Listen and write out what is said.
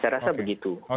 saya rasa begitu bang